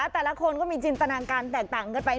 แต่ละคนก็มีจินตนาการแตกต่างกันไป